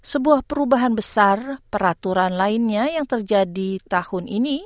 sebuah perubahan besar peraturan lainnya yang terjadi tahun ini